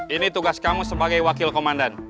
ini tugas kamu sebagai wakil komandan